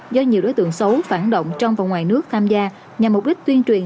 do nhiều đối tượng xấu phản động trong và ngoài nước tham gia nhằm mục đích tuyên truyền